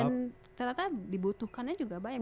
dan ternyata dibutuhkannya juga banyak